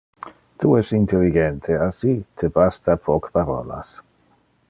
Tu es intelligente, assi te basta poc parolas.